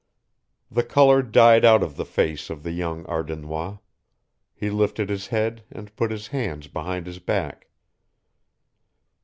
The color died out of the face of the young Ardennois; he lifted his head and put his hands behind his back.